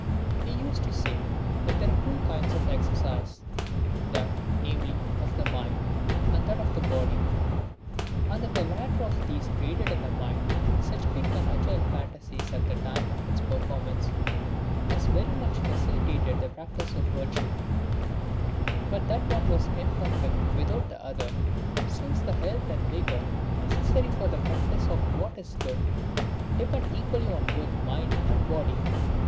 He used to say, that there were two kinds of exercise : that, namely, of the mind and that of the body ; and that the latter of these created in the mind such quick and agile phantasies at the time of its performance, as very much facili tated the practice of virtue; but that one was imperfect without the other, since the health and vigour necessary for the practice of what is good, depend equally on both mind and body.